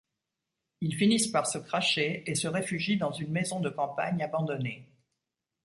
Ils finissent par se crasher, et se réfugient dans une maison de campagne abandonnée.